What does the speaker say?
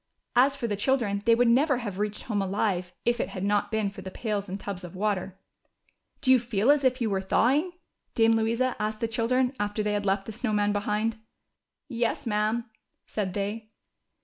As for the children, they would never have reached home alive if it had not been for the pails and tubs of water " i'll put this right in your pace and — MELT YOU ! '^Do you feel as if you were thawing?" Dame Louisa asked the children after they had left the Snow Man behind. "Yes, ma'am," said they.